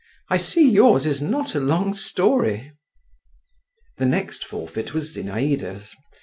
"I see yours is not a long story." The next forfeit was Zinaïda's.